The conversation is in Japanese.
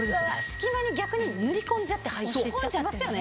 隙間に逆に塗り込んじゃって入ってっちゃってますよね。